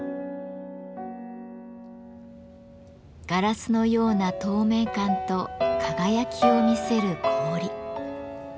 ガラスのような透明感と輝きを見せる氷。